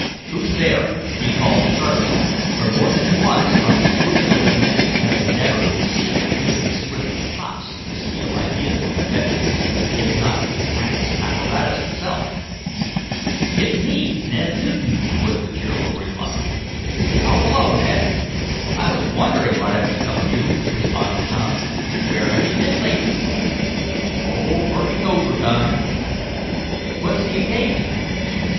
"Who's there?" he called sharply, for, more than once unscrupulous men had endeavored to sneak into the Swift shops to steal ideas of inventions; if not the actual apparatus itself. "It's me Ned Newton," was the cheerful reply. "Oh, hello, Ned! I was wondering what had become of you," responded Tom. "Where have you been lately?" "Oh, working overtime." "What's the occasion?"